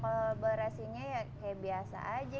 kalau kolaborasinya ya biasa aja